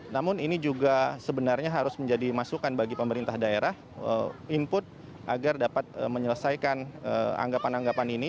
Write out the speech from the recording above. namun ini juga sebenarnya harus menjadi masukan bagi pemerintah daerah input agar dapat menyelesaikan anggapan anggapan ini